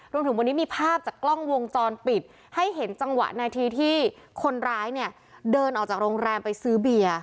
รวมถึงวันนี้มีภาพจากกล้องวงจรปิดให้เห็นจังหวะนาทีที่คนร้ายเนี่ยเดินออกจากโรงแรมไปซื้อเบียร์